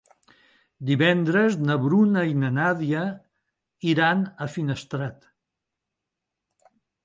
Divendres na Bruna i na Nàdia iran a Finestrat.